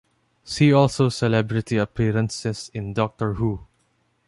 See also Celebrity appearances in Doctor Who.